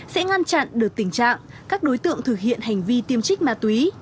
sẽ ngăn chặn được tình trạng các đối tượng thực hiện hành vi tiêm trích ma túy